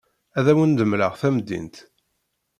Ad awen-d-mleɣ tamdint.